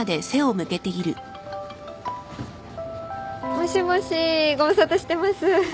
もしもしご無沙汰してます。